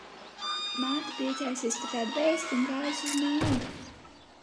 Māte priecājusies par tādu vēsti un gājusi uz māju.